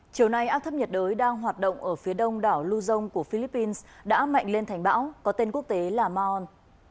chiều nay áp thấp nhiệt đới đang hoạt động ở phía đông đảo luzon của philippines đã mạnh lên thành bão có tên quốc tế là maonon